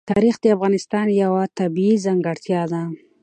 تاریخ د افغانستان یوه طبیعي ځانګړتیا ده.